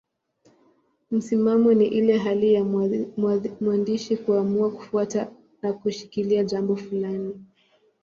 Msimamo ni ile hali ya mwandishi kuamua kufuata na kushikilia jambo fulani.